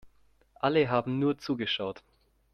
Alle haben nur zugeschaut.